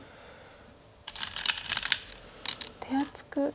手厚く。